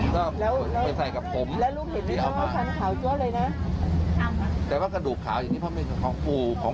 แล้วไม่ค่อยมีใครมาแล้วปลวงอย่างบรรยากาศที่มันนี่บอกอ่ะ